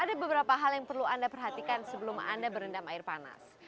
ada beberapa hal yang perlu anda perhatikan sebelum anda berendam air panas